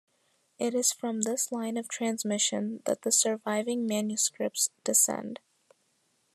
It is from this line of transmission that the surviving manuscripts descend.